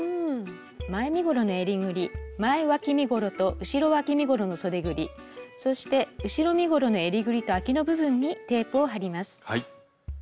前身ごろの襟ぐり前わき身ごろと後ろわき身ごろのそでぐりそして後ろ身ごろの襟ぐりとあきの部分にテープを貼ります。